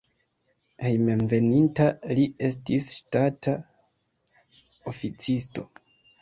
Hejmenveninta li estis ŝtata oficisto.